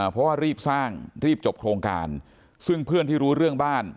เพราะว่ารีบสร้างรีบจบโครงการซึ่งเพื่อนที่รู้เรื่องบ้าน